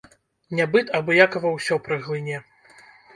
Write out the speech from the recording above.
Нябыт абыякава ўсё праглыне.